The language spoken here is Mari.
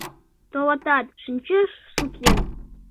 Товатат, шинчеш сукен.